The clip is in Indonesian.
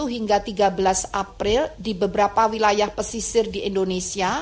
hingga tiga belas april di beberapa wilayah pesisir di indonesia